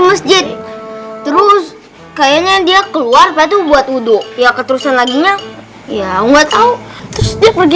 masjid terus kayaknya dia keluar batu buat wudhu ya keterusan laginya ya enggak tahu terus dia pergi